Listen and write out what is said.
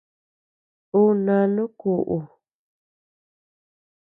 Ú nánu kuʼu.